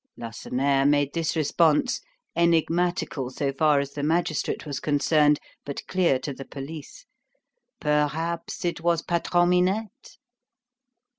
Lacenaire made this response, enigmatical so far as the magistrate was concerned, but clear to the police: "Perhaps it was Patron Minette."